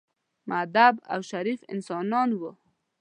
مودب او شریف انسانان وو.